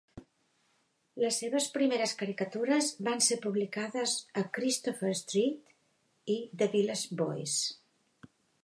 Les seves primeres caricatures van ser publicades a "Christopher Street" i "The Village Voice".